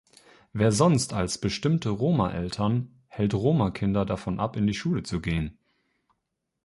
Wer sonst als bestimmte Roma-Eltern hält Roma-Kinder davon ab, in die Schule zu gehen?